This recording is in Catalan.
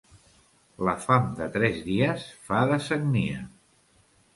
La fam de tres dies fa de sagnia.